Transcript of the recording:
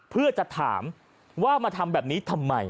เพื่อจะถามว่ามาทำแบบนี้ทำไม